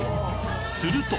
すると